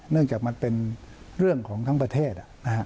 จากมันเป็นเรื่องของทั้งประเทศ